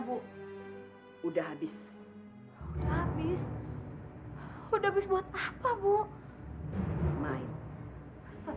bu udah habis habis habis buat apa bu main main